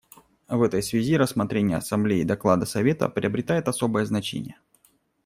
В этой связи рассмотрение Ассамблеей доклада Совета приобретает особое значение.